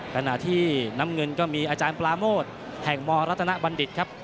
ขณะที่น้ำเงินก็มีอาจารย์ปราโมทแห่งมรัตนบัณฑิตครับ